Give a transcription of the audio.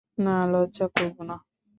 না, লজ্জা করব না।